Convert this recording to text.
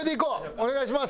お願いします。